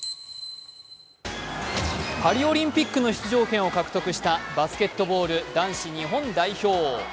パリオリンピックの出場権を獲得したバスケットボール男子日本代表。